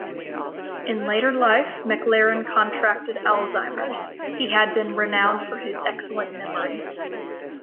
In later life, McLaren contracted Alzheimer's; he had been renowned for his excellent memory.